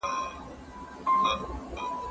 ترې يې وپوښتې كيسې د عملونو